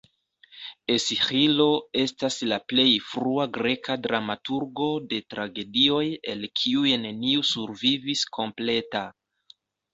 Esĥilo estas la plej frua greka dramaturgo de tragedioj el kiuj neniu survivis kompleta.